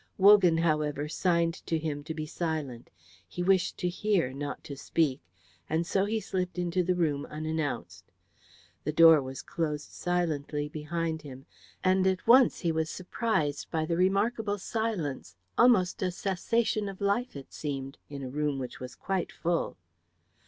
Wogan, however, signed to him to be silent. He wished to hear, not to speak, and so he slipped into the room unannounced. The door was closed silently behind him, and at once he was surprised by the remarkable silence, almost a cessation of life it seemed, in a room which was quite full.